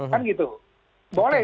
kan gitu boleh